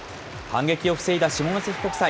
反撃を防いだ下関国際。